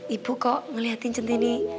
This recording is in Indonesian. ibu kok ngeliatin centini